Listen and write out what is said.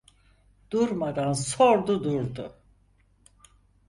Durmadan sordu durdu...